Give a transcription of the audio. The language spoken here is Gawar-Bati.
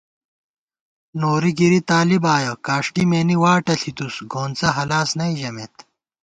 نوری گِری طالب آیَہ ، کاݭٹی مېنی واٹہ ݪِتُوس گونڅہ ہلاس نئ ژمېت